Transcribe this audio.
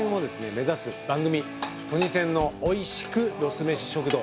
目指す番組「トニセンのおいしくロスめし食堂」